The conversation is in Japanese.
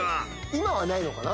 今はないのかな？